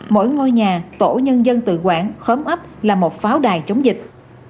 mỗi ngôi nhà tổ nhân dân tự quản khớm ấp là một pháo đài chống dịch